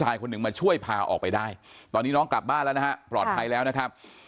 คนหนึ่งมาช่วยพาออกไปได้ตอนนี้น้องกลับบ้านแล้วนะฮะปลอดภัยแล้วนะครับ